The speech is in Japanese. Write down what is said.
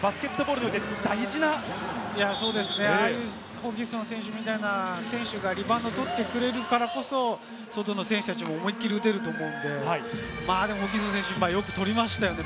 ホーキンソン選手みたいな選手がリバウンドを取ってくれるからこそ、外の選手も思い切り打てると思うので、ホーキンソン選手、よく取りましたね。